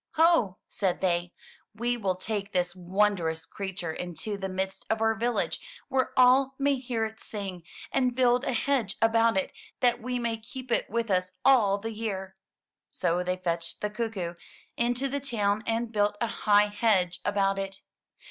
*'Ho," said they, *Ve will take this wondrous creature into the midst of our village where all may hear it sing, and build a hedge about it, that we may keep it with us all the year." So they fetched the cuckoo into the town and built a high hedge about it.